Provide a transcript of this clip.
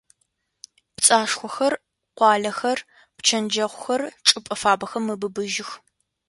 Пцӏашхъохэр, къуалэхэр, пчэндэхъухэр чӏыпӏэ фабэхэм мэбыбыжьых.